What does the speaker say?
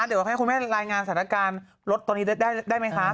เดี๋ยวให้คุณแม่รายงานสถานการณ์รถตอนนี้ได้ไหมคะ